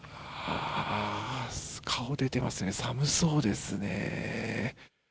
顔が出ていますが寒そうですね。